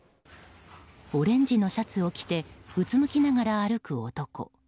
オレンジのシャツを着てうつむきながら歩く男。